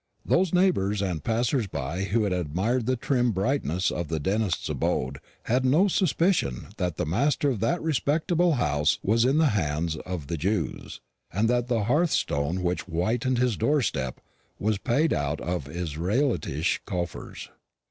Those neighbours and passers by who admired the trim brightness of the dentist's abode had no suspicion that the master of that respectable house was in the hands of the Jews, and that the hearthstone which whitened his door step was paid for out of Israelitish coffers.